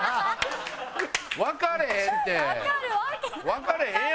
わかれへんって！